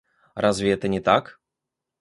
Разве это не так?